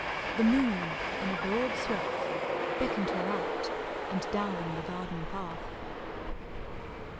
The moon in a broad swath Beckoned her out and down the garden path.